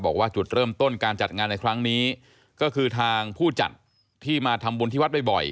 บอกว่าจุดเริ่มต้นการจัดงานในครั้งนี้ก็คือทางผู้จัดที่มาทำบุญที่วัดบ่อย